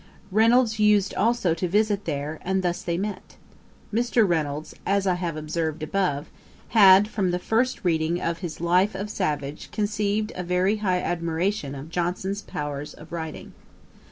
Reynolds used also to visit there, and thus they met. Mr. Reynolds, as I have observed above, had, from the first reading of his Life of Savage, conceived a very high admiration of Johnson's powers of writing.